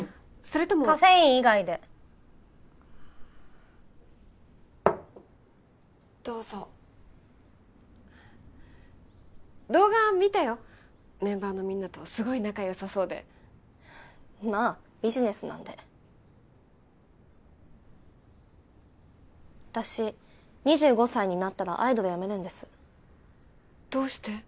それともカフェイン以外でどうぞ動画見たよメンバーのみんなとすごい仲よさそうでまあビジネスなんで私２５歳になったらアイドルやめるんですどうして？